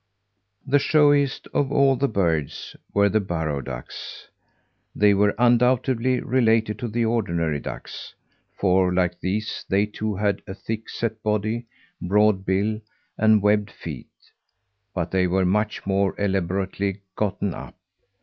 The showiest of all the birds were the burrow ducks. They were undoubtedly related to the ordinary ducks; for, like these, they too had a thick set body, broad bill, and webbed feet; but they were much more elaborately gotten up.